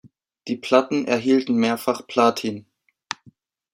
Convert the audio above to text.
Die Platten erhielten mehrfach Platin.